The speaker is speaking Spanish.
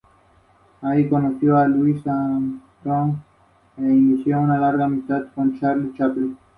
Vivió varios años en Viena y Alemania.